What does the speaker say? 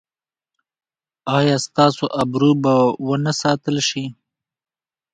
ایا ستاسو ابرو به و نه ساتل شي؟